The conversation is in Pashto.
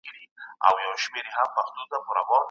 ایا دولت اقتصادي سکتور پیاوړی کړی دی؟